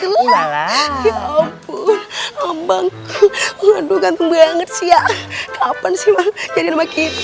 ngandungan banget siang kapan sih jadi nama kita